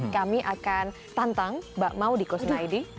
kami akan tantang mbak maudiko snidy